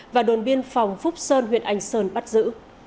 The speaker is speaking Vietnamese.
và đồn biên phòng phúc sơn huyện anh sơn bắt giữ